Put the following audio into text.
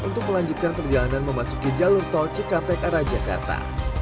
untuk melanjutkan perjalanan memasuki jalur tol cikampek arah jakarta